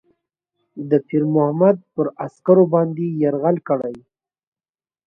د پیرمحمد پر عسکرو باندي یرغل کړی.